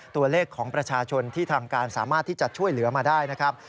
ตัวเลขของประชาชนที่ทางการสามารถที่จะช่วยเหลือมาได้นะครับ